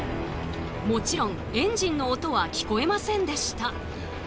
もちろんエンジンの音は聞こえませんでした。